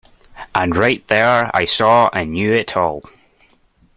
And right there I saw and knew it all.